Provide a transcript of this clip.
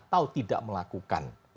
melakukan atau tidak melakukan